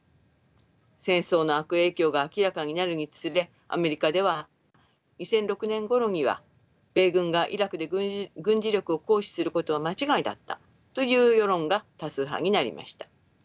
戦争の悪影響が明らかになるにつれアメリカでは２００６年ごろには米軍がイラクで軍事力を行使することは間違いだったという世論が多数派になりました。